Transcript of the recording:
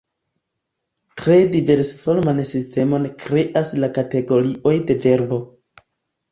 Tre diversforman sistemon kreas la kategorioj de verbo.